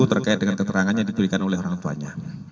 terkait dengan keterangannya dituliskan oleh orang tuanya